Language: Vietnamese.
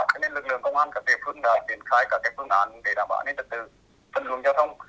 thế nên lực lượng công an các địa phương đã triển khai các cái phương án để đảm bảo đến tật tư phân dưỡng giao thông